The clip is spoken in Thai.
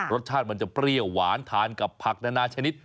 รสชาติมันจะเปรี้ยวหวานทานกับผักนานาชนิด